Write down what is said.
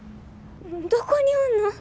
どこにおんの？